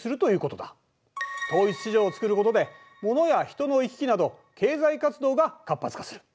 統一市場を作ることで物や人の行き来など経済活動が活発化する。